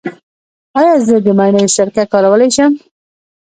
ایا زه د مڼې سرکه کارولی شم؟